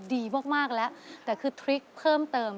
ดีมากแล้วแต่คือทริคเพิ่มเติม